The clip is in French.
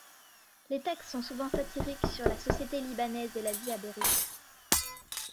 Les textes sont souvent satiriques sur la société libanaise et la vie à Beyrouth.